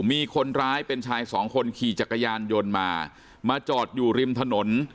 มีคนร้ายเป็นชายสองคนขี่จักรยานยนต์มามาจอดอยู่ริมถนน